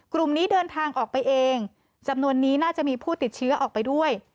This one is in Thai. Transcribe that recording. กลุ่มนี้เดินทางออกไปเองจำนวนนี้น่าจะมีผู้ติดเชื้อออกไปด้วย